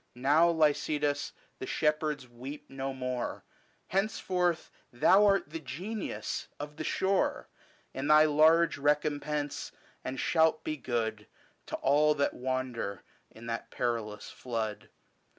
Now, Lycidas, the shepherds weep no more j Henceforth thou art the Genius of the shore, In thy large recompense, and shalt be good To all that wander in that perilous flood.